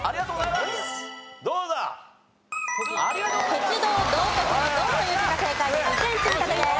鉄道道徳の「道」という字が正解で２点積み立てです。